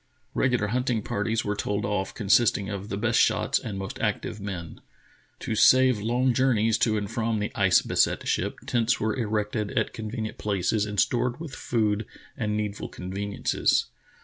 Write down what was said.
Regular hunting parties were told off, consisting of the best shots and most active men. To save long journeys to and from the ice beset ship, tents were erected at convenient places and stored with food and The Journey of Bedford Pirn 77 needful conveniences.